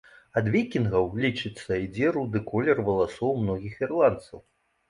Ад вікінгаў, лічыцца, ідзе руды колер валасоў многіх ірландцаў.